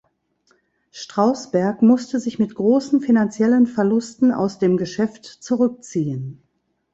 Strousberg musste sich mit großen finanziellen Verlusten aus dem Geschäft zurückziehen.